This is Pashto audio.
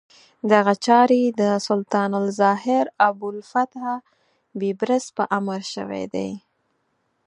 دغه چارې د سلطان الظاهر ابوالفتح بیبرس په امر شوې دي.